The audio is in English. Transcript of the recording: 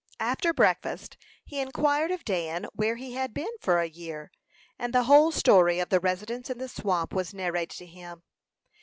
After breakfast he inquired of Dan where he had been for a year, and the whole story of the residence in the swamp was narrated to him.